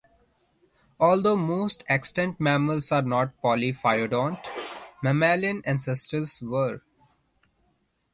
Although most extant mammals are not polyphyodont, mammalian ancestors were.